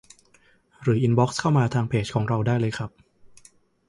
หรืออินบอกซ์เข้ามาทางเพจของเราได้เลยครับ